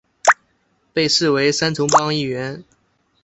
被视为三重帮一员。